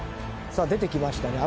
さあ出てきましたね